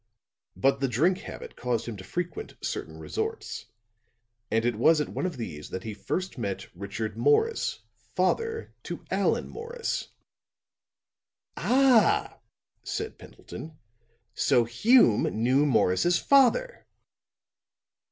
"'But the drink habit caused him to frequent certain resorts, and it was at one of these that he first met Richard Morris, father to Allan Morris!'" "Ah!" said Pendleton. "So Hume knew Morris's father."